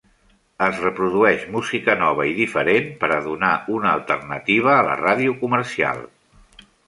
Es reprodueix música nova i diferent per a donar una alternativa a la ràdio comercial.